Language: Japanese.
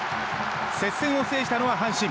接戦を制したのは阪神。